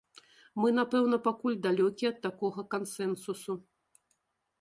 Мы, напэўна, пакуль далёкія ад такога кансэнсусу.